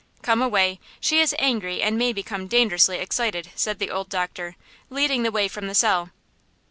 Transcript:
"Come away; she is angry and may become dangerously excited," said the old doctor, leading the way from the cell.